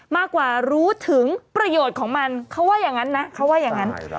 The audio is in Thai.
มากกว่ารู้ถึงประโยชน์ของมันเขาว่าอย่างนั้นนะ